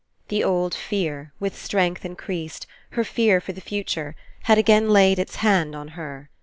The old fear, with strength increased, the fear for the future, had again laid its hand on her.